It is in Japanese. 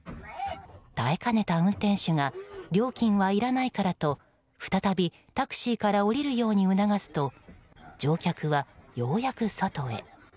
耐えかねた運転手が料金はいらないからと再びタクシーから降りるように促すと乗客はようやく外へ。